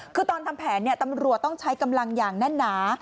คือตอนทำแผนตำรวจต้องใช้กำลังอย่างแน่นหนา